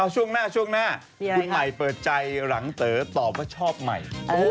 ช่วงหน้าครูไหมเปิดใจตอบชอบหมาย